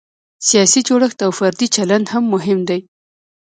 سیاسي جوړښت او فردي چلند هم مهم دی.